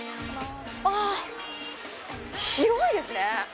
広いですね。